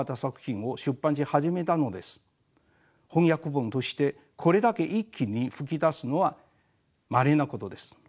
翻訳本としてこれだけ一気に噴き出すのはまれなことです。